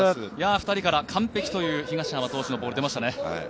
２人から完璧という東浜投手のボール、出ましたね。